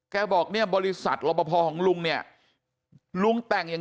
บอกเนี่ยบริษัทรบพอของลุงเนี่ยลุงแต่งอย่าง